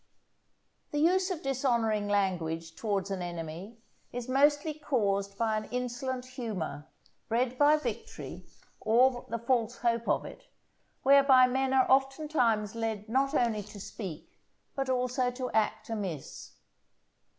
_ The use of dishonouring language towards an enemy is mostly caused by an insolent humour, bred by victory or the false hope of it, whereby men are oftentimes led not only to speak, but also to act amiss.